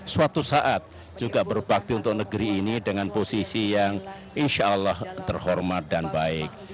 suatu saat juga berbakti untuk negeri ini dengan posisi yang insya allah terhormat dan baik